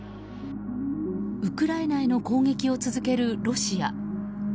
ウクライナへの攻撃を続けるロシア。